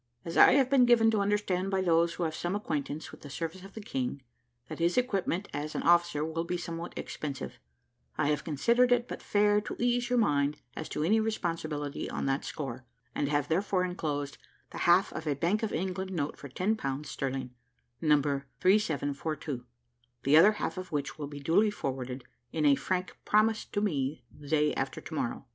"As I have been given to understand by those who have some acquaintance with the service of the King, that his equipment as an officer will be somewhat expensive, I have considered it but fair to ease your mind as to any responsibility on that score, and have therefore enclosed the half of a Bank of England note for ten pounds sterling, Number 3742, the other half of which will be duly forwarded in a frank promised to me the day after to morrow.